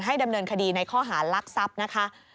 ดำเนินคดีในข้อหารักทรัพย์นะคะ